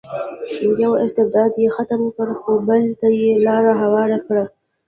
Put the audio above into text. یو استبداد یې ختم کړی خو بل ته یې لار هواره کړې.